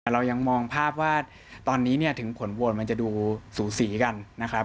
เรายังมองภาพว่าตอนนี้ถึงผลโหวตมันจะดูสูสีกันนะครับ